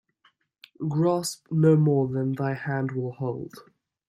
Grasp no more than thy hand will hold.